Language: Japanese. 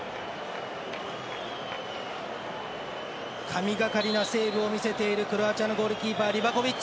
神がかりなセーブを見せているクロアチアのゴールキーパーリバコビッチ。